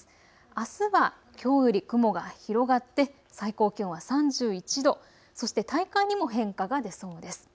あすはきょうより雲が広がって最高気温は３１度、そして体感にも変化が出そうです。